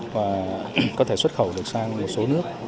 và có thể xuất khẩu được sang một số nước